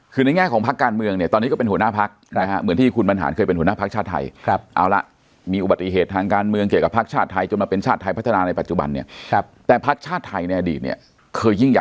คือในแง่ของภักดิ์การเมืองเนี่ยตอนนี้ก็เป็นหัวหน้าภักดิ์ใช่ฮะเหมือนที่คุณบรรหารเคยเป็นหัวหน้าภักดิ์ชาติไทย